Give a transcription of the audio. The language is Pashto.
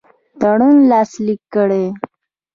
تړون لاسلیک کړي.